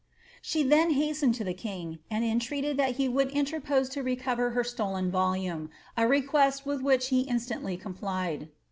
She then hastened to the king, and entreated that he would interpoM to recover her stolen volume, a request with which he instantly com plied.